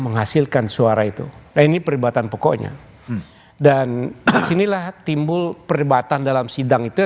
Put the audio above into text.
menghasilkan suara itu nah ini perdebatan pokoknya dan disinilah timbul perdebatan dalam sidang itu